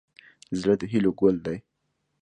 زړه د هیلو ګل دی.